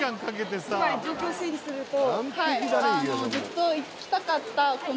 今状況整理すると。